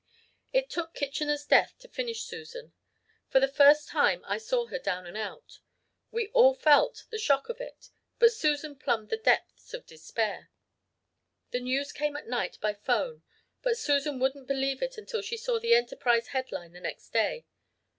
"It took Kitchener's death to finish Susan. For the first time I saw her down and out. We all felt the shock of it but Susan plumbed the depths of despair. The news came at night by 'phone but Susan wouldn't believe it until she saw the Enterprise headline the next day.